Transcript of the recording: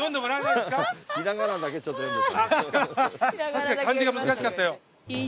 確かに漢字が難しかったよ。